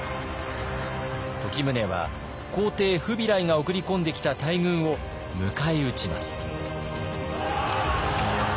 時宗は皇帝フビライが送り込んできた大軍を迎え撃ちます。